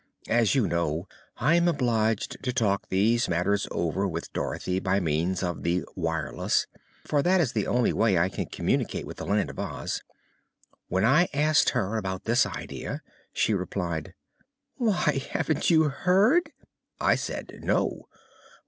As you know, I am obliged to talk these matters over with Dorothy by means of the "wireless," for that is the only way I can communicate with the Land of Oz. When I asked her about this idea, she replied: "Why, haven't you heard?" I said "No."